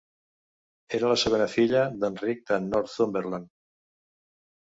Era la segona filla d'Enric de Northumberland.